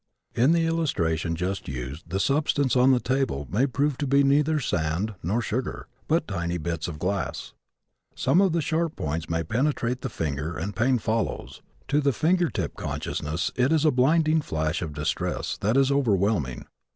In the illustration just used the substance on the table may prove to be neither sand nor sugar, but tiny bits of glass. Some of the sharp points may penetrate the finger and pain follows. To the finger tip consciousness it is a blinding flash of distress that is overwhelming.